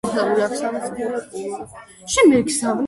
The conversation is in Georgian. გამოქვეყნებული აქვს სამეცნიერო და პუბლიცისტური წერილები.